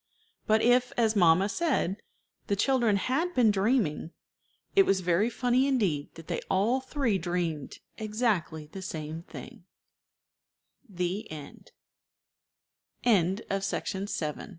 But if, as mamma said, the children had been dreaming, it was very funny indeed that they all three dreamed exactly the same thing. THE END.